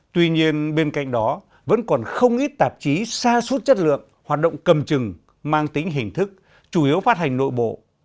tuy nhiên bên cạnh đó vẫn còn không ít tạp chí xa suốt chất lượng hoạt động cầm chừng mang tính hình thức chủ yếu phát hành nội bộ